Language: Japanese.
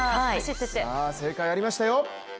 正解ありましたよ